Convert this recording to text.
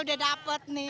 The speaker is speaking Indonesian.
udah dapet nih